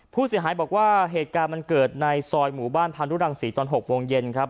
ผู้เสียหายบอกว่าเหตุการณ์มันเกิดในซอยหมู่บ้านพานุรังศรีตอน๖โมงเย็นครับ